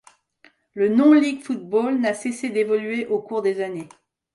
Le Non-League football n'a cessé d'évoluer au cours des années.